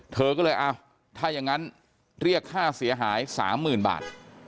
เธอก็เลยอ้าวถ้าอย่างนั้นเรียกค่าเสียหาย๓๐๐๐บาท